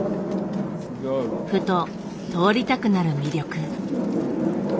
ふと通りたくなる魅力。